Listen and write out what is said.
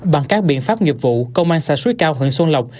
bằng các biện pháp nghiệp vụ công an xã suối cao huyện xuân lộc